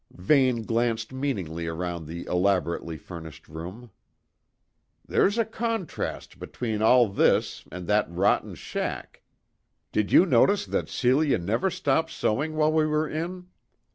Vane glanced meaningly round the elaborately furnished room. "There's a contrast between all this and that rotten shack. Did you notice that Celia never stopped sewing while we were in?"